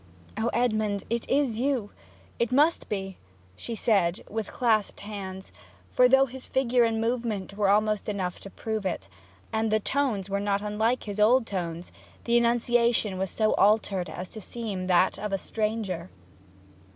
'O Edmond it is you? it must be?' she said, with clasped hands, for though his figure and movement were almost enough to prove it, and the tones were not unlike the old tones, the enunciation was so altered as to seem that of a stranger.